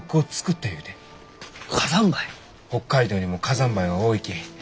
北海道にも火山灰は多いき。